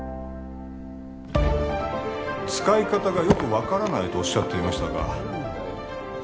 使い方がよく分からないとおっしゃっていましたがありがとう